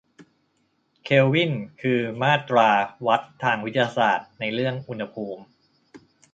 เคลวินคือมาตราวัดทางวิทยาศาสตร์ในเรื่องอุณหภูมิ